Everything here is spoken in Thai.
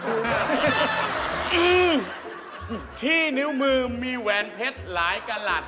อืมที่นิ้วมือมีแหวนเพชรหลายกระหลัด